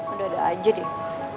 udah ada aja deh